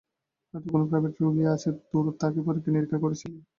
হয়তো কোন প্রাইভেট রুগী আছে তোর, তাকে পরীক্ষা-নিরীক্ষা করছিলি।